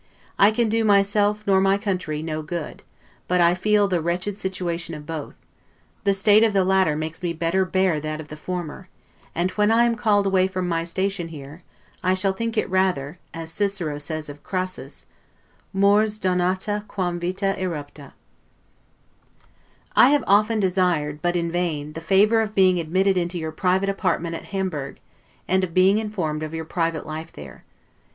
I can do myself nor my country no good; but I feel the wretched situation of both; the state of the latter makes me better bear that of the former; and, when I am called away from my station here, I shall think it rather (as Cicero says of Crassus) 'mors donata quam vita erepta'. I have often desired, but in vain, the favor of being admitted into your private apartment at, Hamburg, and of being informed of your private life there.